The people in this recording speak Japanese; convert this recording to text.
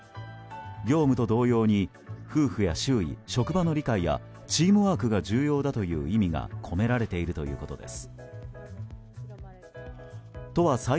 業務と同様に夫婦や周囲職場の理解やチームワークが重要だという意味が込められているということです。